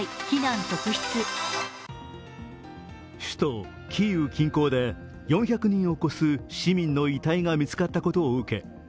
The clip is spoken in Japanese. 首都キーウ近郊で４００人を超す市民の遺体が見つかったことを受け